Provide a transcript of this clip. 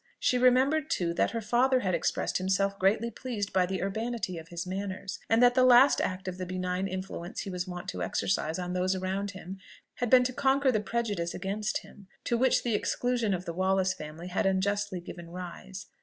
She remembered, too, that her father had expressed himself greatly pleased by the urbanity of his manners, and that the last act of the benign influence he was wont to exercise on those around him had been to conquer the prejudice against him, to which the exclusion of the Wallace family had unjustly given rise.